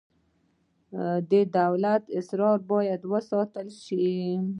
د دولت اسرار باید وساتل شي